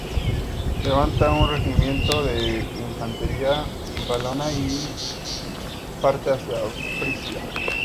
Levanta un regimiento de infantería valona y parte hacia Frisia.